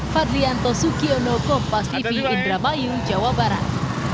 fadlian tosukiono kompas tv indramayu jawa barat